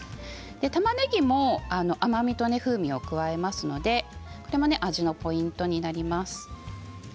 たまねぎも甘みと風味を加えますのでこれも味のポイントになります。